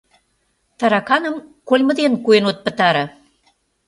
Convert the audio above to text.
Тараканым кольмо дене куэн от пытаре.